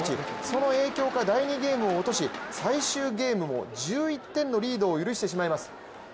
その影響か、第２ゲームを落とし最終ゲームも１１点のリードを許してしまいます。